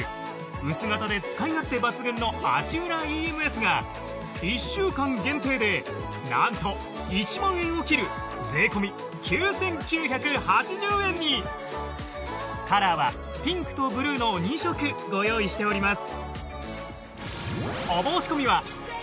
薄型で使い勝手抜群の足裏ＥＭＳが１週間限定で何と１万円を切るカラーはピンクとブルーの２色ご用意しております